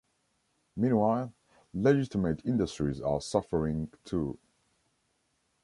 Meanwhile, legitimate industries are suffering, too.